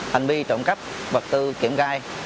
hành vi trộm cắp vật tư kiểm gai